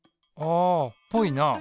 あぽいな。